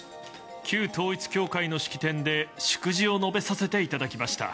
旧統一教会の式典で祝辞を述べさせていただきました。